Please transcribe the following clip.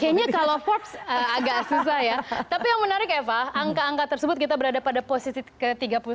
kayaknya kalau forbes agak susah ya tapi yang menarik eva angka angka tersebut kita berada pada posisi ke tiga puluh tujuh